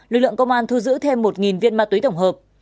lực lượng công an thu giữ thêm một viên ma túy tổng hợp